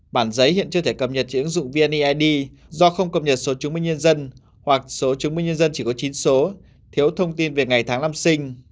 bản giấy hiện chưa thể cập nhật trên ứng dụng vneid do không cập nhật số chứng minh nhân dân hoặc số chứng minh nhân dân chỉ có chín số thiếu thông tin về ngày tháng năm sinh